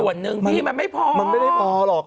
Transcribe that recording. ส่วนหนึ่งพี่มันไม่พอมันไม่ได้พอหรอก